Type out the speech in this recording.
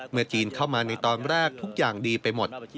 จีนเข้ามาในตอนแรกทุกอย่างดีไปหมด